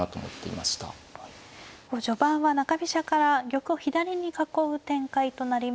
序盤は中飛車から玉を左に囲う展開となりました。